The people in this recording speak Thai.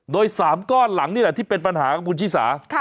โดย๓ก้อนหลังนี่แหละที่เป็นปัญหากับคุณชิสา